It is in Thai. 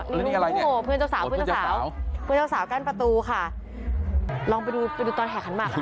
นี่อะไรเนี่ยโหเพื่อนเจ้าสาวเพื่อนเจ้าสาวกั้นประตูค่ะลองไปดูไปดูตอนแห่งขันมากค่ะ